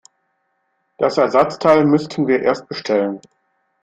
Das Ersatzteil müssten wir erst bestellen.